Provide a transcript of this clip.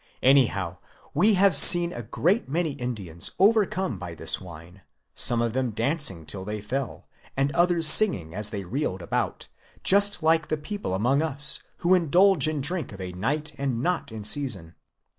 Anyhow we have seen a great many Indians overcome by this wine, some of them dancing till they fell, and others singing as they reeled about, just like the people among: us, who indulge in drink of a night and not in season...